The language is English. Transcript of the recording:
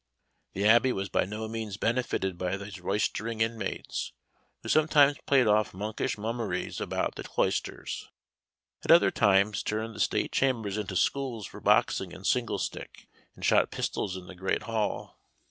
The Abbey was by no means benefited by these roystering inmates, who sometimes played off monkish mummeries about the cloisters, at other times turned the state chambers into schools for boxing and single stick, and shot pistols in the great hall.